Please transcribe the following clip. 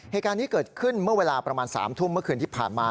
เหตุการณ์นี้เกิดขึ้นเมื่อเวลาประมาณ๓ทุ่มเมื่อคืนที่ผ่านมา